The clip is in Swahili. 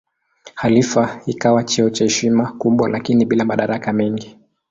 Khalifa ikawa cheo cha heshima kubwa lakini bila madaraka mengi.